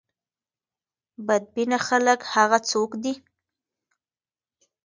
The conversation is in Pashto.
بد بینه خلک هغه څوک دي.